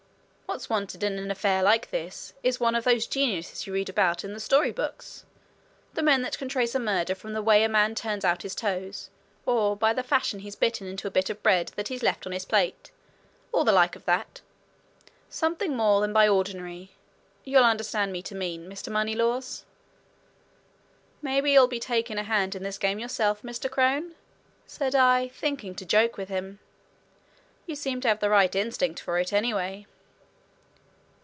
What's wanted in an affair like this is one of those geniuses you read about in the storybooks the men that can trace a murder from the way a man turns out his toes, or by the fashion he's bitten into a bit of bread that he's left on his plate, or the like of that something more than by ordinary, you'll understand me to mean, Mr. Moneylaws?" "Maybe you'll be for taking a hand in this game yourself, Mr. Crone?" said I, thinking to joke with him. "You seem to have the right instinct for it, anyway."